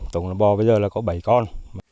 tổng bò bây giờ là có bảy con